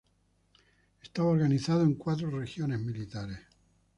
Estaba organizado en cuatro regiones militares.